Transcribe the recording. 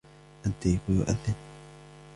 الديك يؤذن.